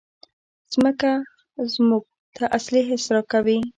مځکه موږ ته اصلي حس راکوي.